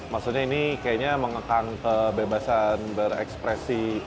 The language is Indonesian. maksudnya ini kayaknya mengekang kebebasan berekspresi